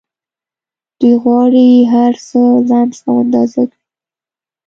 دوی غواړي هرڅه لمس او اندازه کړي